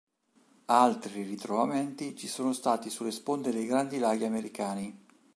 Altri ritrovamenti ci sono stati sulle sponde dei Grandi Laghi americani.